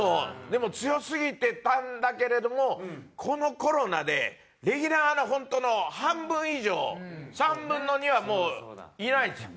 でも強すぎてたんだけれどもこのコロナでレギュラーの本当の半分以上３分の２はもういないんですよ。